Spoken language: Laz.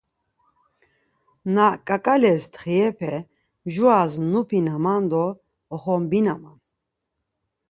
Na ǩaǩales ntxirepe mjuras nupinanaman do oxombinaman.